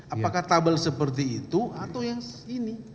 apakah tabel seperti itu atau yang ini